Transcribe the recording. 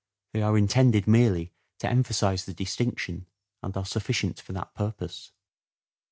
They are intended merely to emphasize the distinction and are sufficient for that purpose.